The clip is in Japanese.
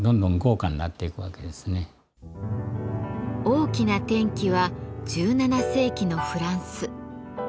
大きな転機は１７世紀のフランス。